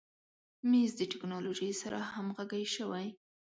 مېز د تکنالوژۍ سره همغږی شوی.